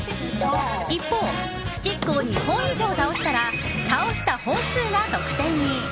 一方、スティックを２本以上倒したら倒した本数が得点に。